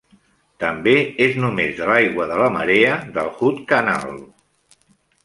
També és només de l'aigua de la marea del Hood Canal.